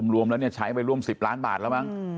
รวมแล้วใช้ไปร่วม๑๐ล้านบาทแล้วมั้ง